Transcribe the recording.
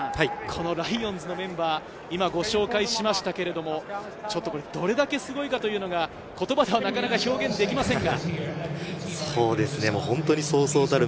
このライオンズのメンバー、今ご紹介しましたが、どれだけすごいかというのが言葉ではなかなか表現できませんが。